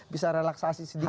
bisa relaksasi sedikit